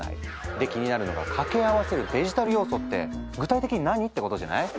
で気になるのが掛け合わせるデジタル要素って具体的に何ってことじゃない？